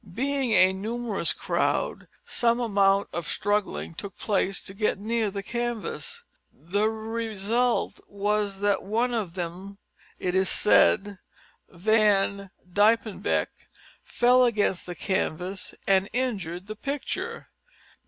Being a numerous crowd, some amount of struggling took place to get near the canvas. The result was that one of them, it is said Van Diepenbeck, fell against the canvas and injured the picture.